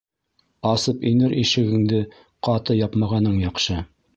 Асып инер ишегеңде ҡаты япмағаның яҡшы.